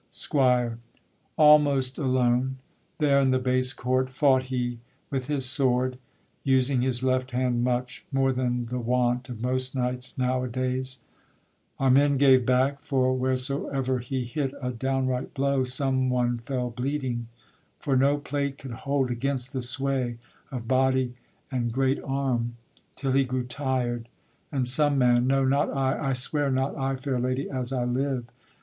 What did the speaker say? SQUIRE. Almost alone, There in the base court fought he with his sword, Using his left hand much, more than the wont Of most knights now a days; our men gave back, For wheresoever he hit a downright blow, Some one fell bleeding, for no plate could hold Against the sway of body and great arm; Till he grew tired, and some man (no! not I, I swear not I, fair lady, as I live!)